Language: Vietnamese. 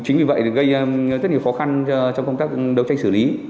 chính vì vậy gây rất nhiều khó khăn trong công tác đấu tranh xử lý